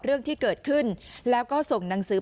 เรื่องที่เกิดขึ้นแล้วก็ส่งหนังสือ